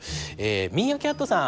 ミーアキャットさん。